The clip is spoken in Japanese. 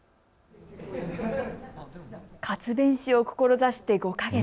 活弁士を志して５か月。